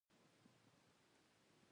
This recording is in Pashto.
موږ ښه مسته مېله مو کړې وای.